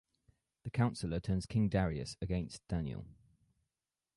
The counsellor turns King Darius against Daniel.